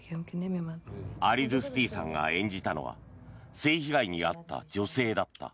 アリドゥスティさんが演じたのは性被害に遭った女性だった。